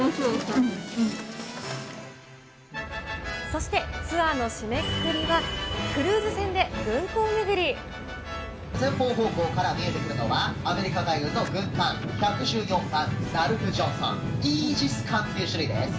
そして、ツアーの締めくくりは、前方方向から見えてくるのは、アメリカ海軍の軍艦、１１４番ラルフ・ジョンソン、イージス艦という種類です。